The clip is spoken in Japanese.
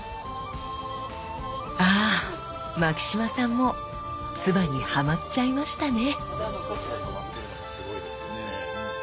あぁ牧島さんも鐔にハマっちゃいましたね。